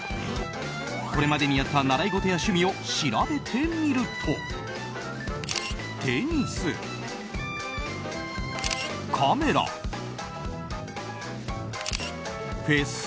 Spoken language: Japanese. これまでにやった習い事や趣味を調べてみるとテニス。